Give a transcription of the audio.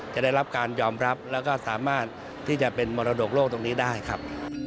จะได้รับการยอมรับแล้วก็สามารถที่จะเป็นมรดกโลกตรงนี้ได้ครับ